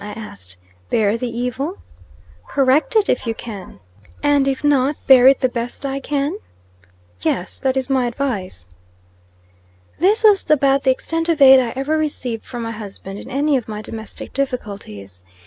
I asked. "Bear the evil?" "Correct it, if you can." "And if not, bear it the best I can?" "Yes, that is my advice." This was about the extent of aid I ever received from my husband in any of my domestic difficulties.